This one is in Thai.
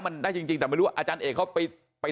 มันได้จริงแต่ไม่รู้ว่าอาจารย์เอกเขาไป